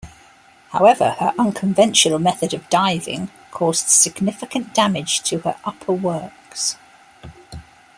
However, her unconventional method of diving caused significant damage to her upper works.